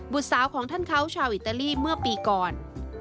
สาวของท่านเขาชาวอิตาลีเมื่อปีก่อน